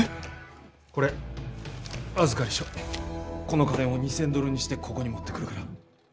この金を２，０００ドルにしてここに持ってくるから。